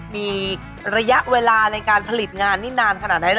มีระยะเวลาในการผลิตงานนี่นานขนาดไหน